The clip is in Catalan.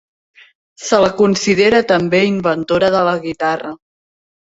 Se la considera també inventora de la guitarra.